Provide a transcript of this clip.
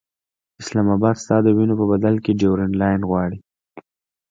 اسلام اباد ستا د وینو په بدل کې ډیورنډ لاین غواړي.